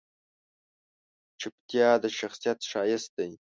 چپتیا، د شخصیت ښایست دی.